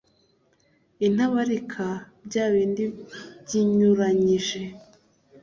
intabarika, bya bindi binyuranyije